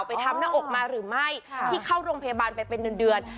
ไปทำหน้าอกมาหรือไม่ที่เข้าโรงพยาบาลไปเป็นเดือน